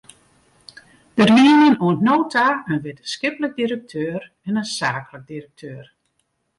Der wienen oant no ta in wittenskiplik direkteur en in saaklik direkteur.